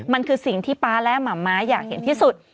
มันคือสิ่งที่ป๊าและหม่ำม้าอยากเห็นที่สุด